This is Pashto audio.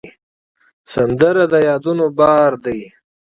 سندره د یادونو بار دی